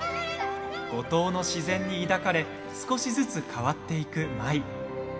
五島の自然に抱かれ少しずつ変わっていく舞。